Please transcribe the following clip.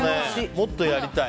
もっとやりたい。